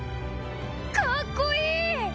かっこいい！